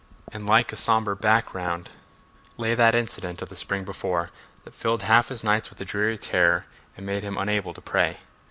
and like a sombre background lay that incident of the spring before, that filled half his nights with a dreary terror and made him unable to pray.